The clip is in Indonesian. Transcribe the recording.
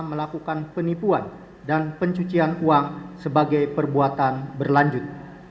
melakukan penipuan dan pencucian uang sebagai perbuatan berlanjut